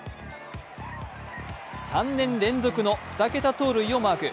３年連続の２桁盗塁をマーク。